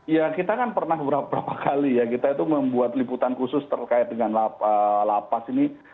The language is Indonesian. ya kita kan pernah beberapa kali ya kita itu membuat liputan khusus terkait dengan lapas ini